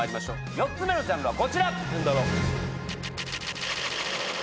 ４つ目のジャンルは「演歌」。